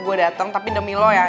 gue datang tapi demi lo ya